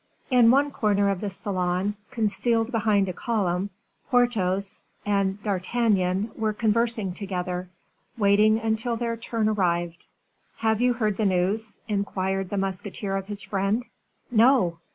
In one corner of the salon, concealed behind a column, Porthos and D'Artagnan were conversing together, waiting until their turn arrived. "Have you heard the news?" inquired the musketeer of his friend. "No!"